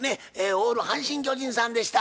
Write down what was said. オール阪神・巨人さんでした。